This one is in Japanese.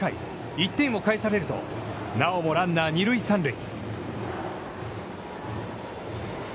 １点を返されると、なおもランナー二塁三塁。